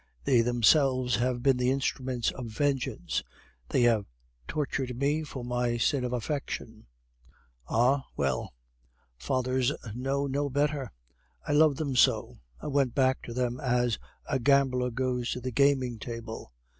They themselves have been the instruments of vengeance; they have tortured me for my sin of affection. "Ah, well! fathers know no better; I loved them so; I went back to them as a gambler goes to the gaming table.